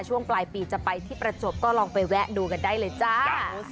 ช่วงปลายปีจะไปที่ประจวบก็ลองไปแวะดูกันได้เลยจ้า